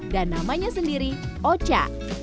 dan namanya sendiri oca